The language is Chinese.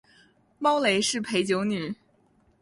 猫雷是陪酒女